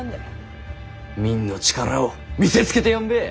民の力を見せつけてやんべぇ。